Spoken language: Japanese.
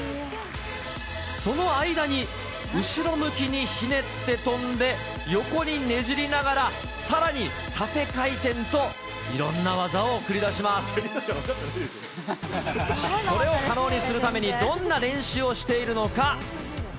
その間に、後ろ向きにひねって飛んで、横にねじりながら、さらに縦回転と、梨紗ちゃん、分かってないでそれを可能にするために、どんな練習をしているのか。